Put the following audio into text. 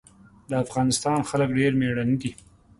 د افغانستان خلک ډېر مېړني دي.